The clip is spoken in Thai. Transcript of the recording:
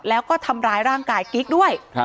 แล้วก็ทำร้ายร่างกายกิ๊กด้วย